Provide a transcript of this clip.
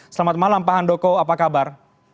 selamat malam pak handoko apa kabar